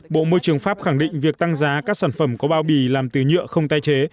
bộ môi trường pháp khẳng định việc tăng giá các sản phẩm có bao bì làm từ nhựa không tái chế